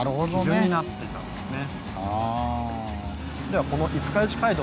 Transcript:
基準になっていたんですね。